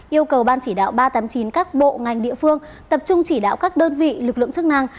yêu cầu ban chỉ đạo ba trăm tám mươi chín các bộ ngành địa phương tập trung chỉ đạo các đơn vị lực lượng chức năng